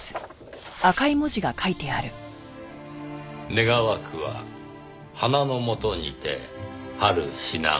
「願わくは花のもとにて春死なむ」